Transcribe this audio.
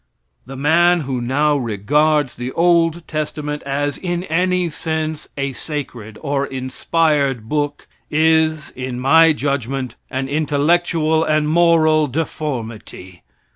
The man who now regards the old testament as, in any sense, a sacred or inspired book is, in my judgment, an intellectual and moral deformity.